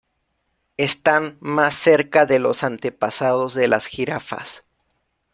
Están más cerca de los antepasados de las jirafas.